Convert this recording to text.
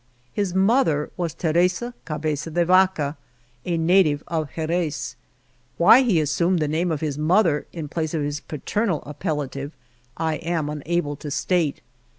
His mother was Teresa Cabeza de Vaca, a native of Jerez. Why he assumed the name of his mother in place of his paternal appellative I am unable to state.